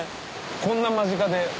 こんな間近で。